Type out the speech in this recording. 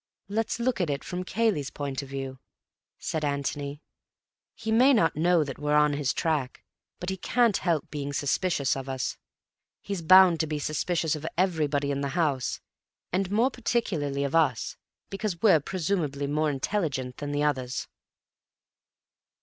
"Let's look at it from Cayley's point of view," said Antony. "He may not know that we're on his track, but he can't help being suspicious of us. He's bound to be suspicious of everybody in the house, and more particularly of us, because we're presumably more intelligent than the others."